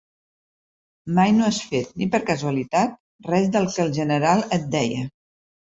Mai no has fet, ni per casualitat, res del que el general et deia.